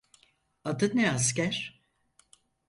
Adın ne asker?